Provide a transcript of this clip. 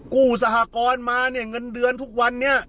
สหกรณ์มาเนี่ยเงินเดือนทุกวันนี้